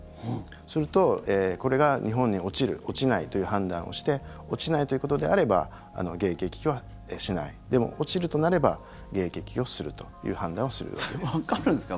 すると、これが日本に落ちる落ちないという判断をして落ちないということであれば迎撃はしないでも、落ちるとなれば迎撃をするという判断をする予定です。